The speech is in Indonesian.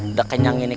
udah kenyang ini